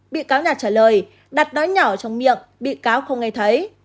bị cáo nhạt trả lời đạt nói nhỏ trong miệng bị cáo không nghe thấy